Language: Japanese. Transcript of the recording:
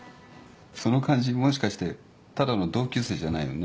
その感じもしかしてただの同級生じゃないよね。